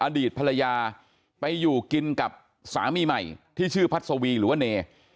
อดีตภรรยาไปอยู่กินกับสามีใหม่ที่ชื่อพัศวีหรือว่าเน